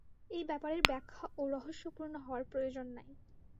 এই ব্যাপারের ব্যাখ্যাও রহস্যপূর্ণ হওয়ার প্রয়োজন নাই।